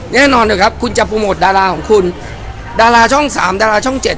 แน่นอนนะครับคุณจะโปรโมทดาราของคุณดาราช่องสามดาราช่องเจ็ด